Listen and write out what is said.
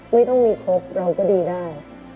ไม่ต้องมีครบเราก็ดีได้